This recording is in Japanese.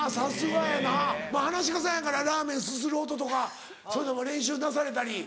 はなし家さんやからラーメンすする音とかそういうのも練習なされたり。